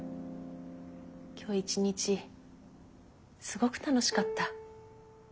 今日一日すごく楽しかった。